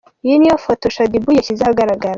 Iyi niyo foto Shaddy Boo yashyize ahagaragara.